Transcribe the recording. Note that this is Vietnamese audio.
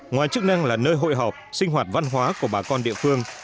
ngoài chức năng là nơi hội họp sinh hoạt văn hóa của bà con địa phương